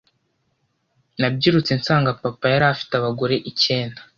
Nabyirutse nsanga Papa yari afite abagore icyenda